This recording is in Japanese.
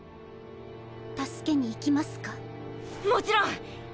助けに行きますか？もちろんっ！